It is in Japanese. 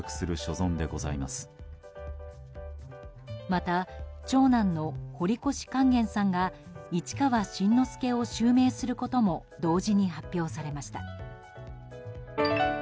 また長男の堀越勸玄さんが市川新之助を襲名することも同時に発表されました。